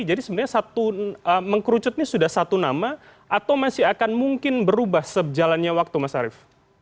jadi sebenarnya mengkerucut ini sudah satu nama atau masih akan mungkin berubah sejalannya waktu mas arief